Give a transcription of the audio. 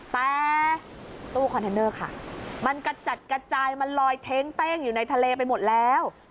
แต่ตู้คอนเทนเนอร์ค่ะมันกระจัดกระจายมันลอยเท้งเต้งอยู่ในทะเลไปหมดแล้ว